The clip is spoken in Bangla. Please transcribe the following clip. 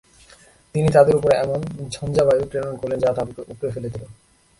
তিনি তাদের উপর এমন ঝঞ্জাবায়ু প্রেরণ করলেন যা তাঁবুকে উপড়ে ফেলে দিল।